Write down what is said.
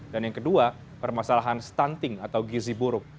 dan yang kedua permasalahan stunting atau gizi buruk